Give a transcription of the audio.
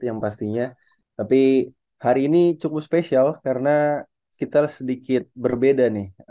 tapi hari ini cukup spesial karena kita sedikit berbeda